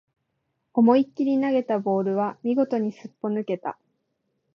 思いっきり投げたボールは見事にすっぽ抜けた